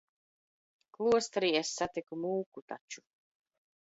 Klosterī es satiku mūku taču.